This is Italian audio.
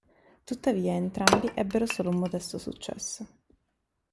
Tuttavia, entrambi ebbero solo un modesto successo.